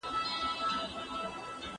د اوښكو سپين ځنځير پر مخ ګنډلئ